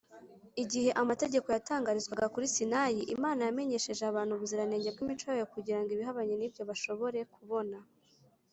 igihe amategeko yatangarizwaga kuri sinayi, imana yamenyesheje abantu ubuziranenge bw’imico yayo kugira ngo, ibihabanye n’ibyo, bashobore kubona